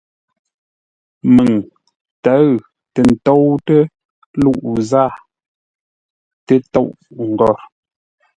Məŋ ntə̌ʉ tə́ ntóutə́ luʼú zâa tə́tóʼ-ngôr.